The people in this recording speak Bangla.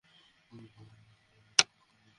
পৃথিবীতে আছড়ে পড়ার সম্ভাবনা শতভাগ নিশ্চিত!